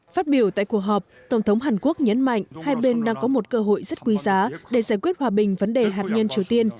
phát biểu tại cuộc họp tổng thống hàn quốc nhấn mạnh hai bên đang có một cơ hội rất quý giá để giải quyết hòa bình vấn đề hạt nhân triều tiên